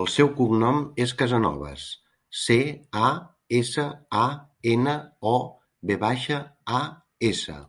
El seu cognom és Casanovas: ce, a, essa, a, ena, o, ve baixa, a, essa.